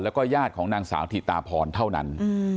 แล้วก็ญาติของนางสาวถิตาพรเท่านั้น